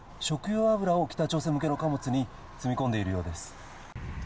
食用油を北朝鮮向けの貨物に積み込んでいるようです。